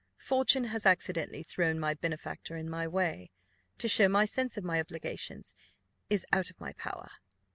Fortune has accidentally thrown my benefactor in my way. To show my sense of my obligations is out of my power."